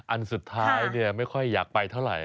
อันสุดท้ายไม่ค่อยอยากไปเท่าไหร่